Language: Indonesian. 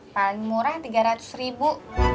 paling murah rp tiga ratus ribu